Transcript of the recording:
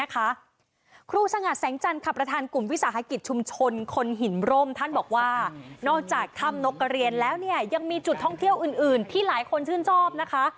ครูสงัดแสงจันทร์ค่ะประธานกลุ่มวิสาหกิจชุมชนคนหินร่มท่านบอกว่านอกจากถ้ำนกกระเรียนแล้วเนี่ยยังมีจุดท่องเที่ยวอื่นที่หลายคนชื่นชอบนะคะ